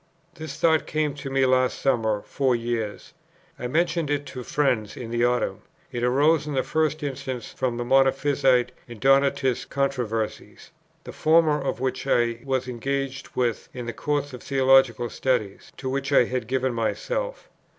"This thought came to me last summer four years.... I mentioned it to two friends in the autumn.... It arose in the first instance from the Monophysite and Donatist controversies, the former of which I was engaged with in the course of theological study to which I had given myself.